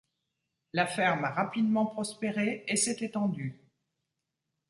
La ferme a rapidement prospéré et s'est étendue.